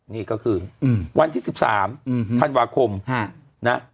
นี่ก็คือวันที่๑๓ธันวาคมนะ